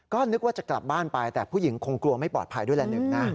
ก็นึกว่าจะกลับบ้านไปแต่ผู้หญิงคงกลัวไม่ปลอดภัยด้วยแหละนึกนะ